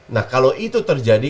nah kalau itu terjadi